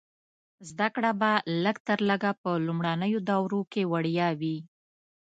زده کړه به لږ تر لږه په لومړنیو دورو کې وړیا وي.